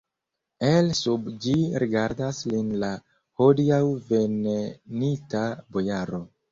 El sub ĝi rigardas lin la hodiaŭ venenita bojaro.